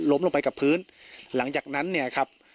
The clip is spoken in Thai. ลงไปกับพื้นหลังจากนั้นเนี่ยครับ